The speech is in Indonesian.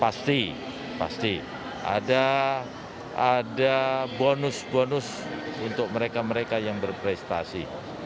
pasti pasti ada bonus bonus untuk mereka mereka yang berprestasi